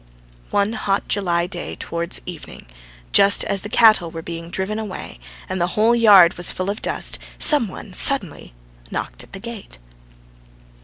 One hot July day, towards evening, just as the cattle were being driven away, and the whole yard was full of dust, some one suddenly knocked at the gate.